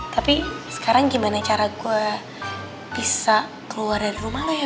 tapi sekarang gimana cara gue bisa keluar dari rumah lah ya